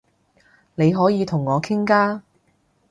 你可以同我傾㗎